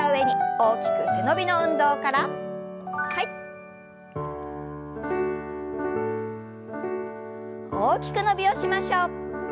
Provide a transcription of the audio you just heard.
大きく伸びをしましょう。